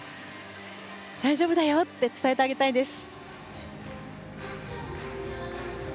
大丈夫だよって伝えてあげたいです。